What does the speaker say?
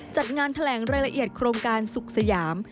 จัดงานแถลงรายละเอียดโครงการสุขสยาม